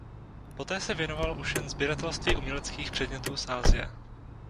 Poté se věnoval už jen sběratelství uměleckých předmětů z Asie.